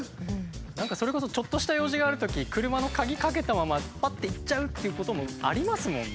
何かそれこそちょっとした用事があるとき車の鍵かけたままパッて行っちゃうっていうこともありますもんね。